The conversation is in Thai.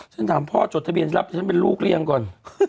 ฉันถามพ่อจดทะเบียนรับฉันเป็นลูกหรือยังก่อน